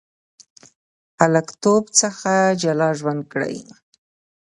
هلکتوب څخه جلا ژوند کړی.